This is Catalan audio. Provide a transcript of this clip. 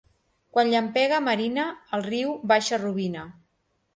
Quan llampega a marina, el riu baixa rubina.